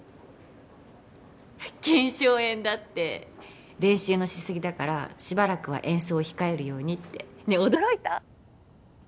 けんしょう炎だって練習のしすぎだからしばらくは演奏控えるようにって☎驚いた？